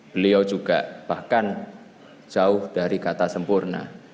beliau juga bahkan jauh dari kata sempurna